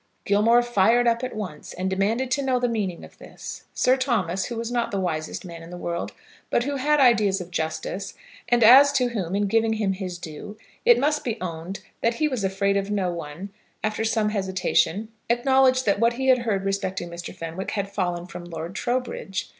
Gilmore fired up at once, and demanded to know the meaning of this. Sir Thomas, who was not the wisest man in the world, but who had ideas of justice, and as to whom, in giving him his due, it must be owned that he was afraid of no one, after some hesitation, acknowledged that what he had heard respecting Mr. Fenwick had fallen from Lord Trowbridge.